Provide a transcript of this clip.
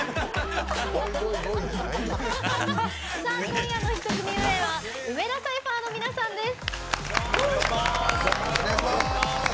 今夜の１組目は梅田サイファーの皆さんです。